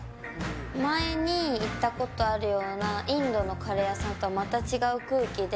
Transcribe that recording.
前に行ったことあるようなインドのカレー屋さんとはまた違う空気で。